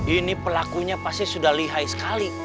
ini pelakunya pasti sudah lihai sekali